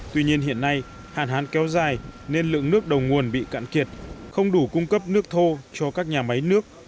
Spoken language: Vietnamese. tuy nhiên hiện nay hàn hán kéo dài nên lượng nước đầu nguồn bị cạn kiệt không đủ cung cấp nước thô cho các nhà máy nước